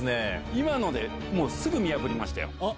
今のですぐ見破りました。